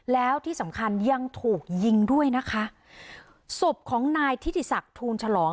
แล้วที่สำคัญยังถูกยิงด้วยนะคะศพของนายทิติศักดิ์ทูลฉลอง